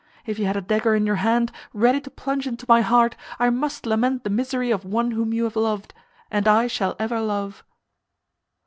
If you had a dagger in your hand, ready to plunge into my heart, I must lament the misery of one whom you have loved, and I shall ever love."